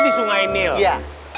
di sungai nil iya